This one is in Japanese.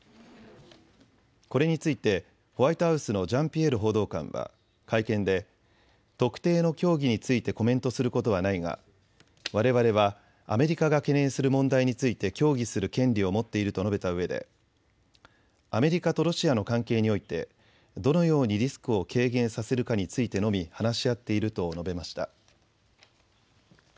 これについてホワイトハウスのジャンピエール報道官は会見で特定の協議についてコメントすることはないが、われわれはアメリカが懸念する問題について協議する権利を持っていると述べたうえで、アメリカとロシアの関係においてどのようにリスクを軽減させるかについてのみ話し合っていると述べました。